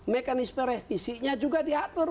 mekanisme revisinya juga diatur